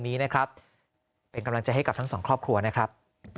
นี้นะครับเป็นกำลังใจให้กับทั้งสองครอบครัวนะครับ